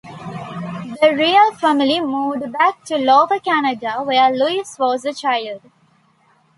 The Riel family moved back to Lower Canada while Louis was a child.